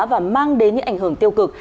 và mang đến những ảnh hưởng tiêu cực